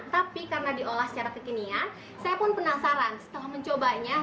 tapi karena diolah secara kekinian saya pun penasaran setelah mencobanya